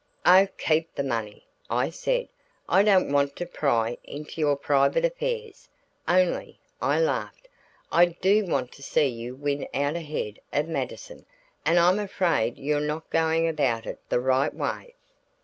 "Oh, keep the money!" I said. "I don't want to pry into your private affairs, only," I laughed, "I do want to see you win out ahead of Mattison, and I'm afraid you're not going about it the right way."